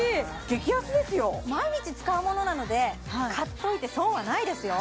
激安ですよ毎日使うものなので買っといて損はないですよ